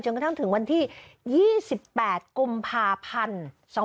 กระทั่งถึงวันที่๒๘กุมภาพันธ์๒๕๖๒